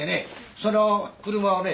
その車をね